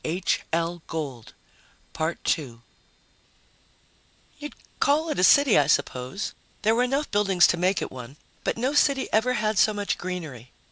You'd call it a city, I suppose; there were enough buildings to make it one. But no city ever had so much greenery.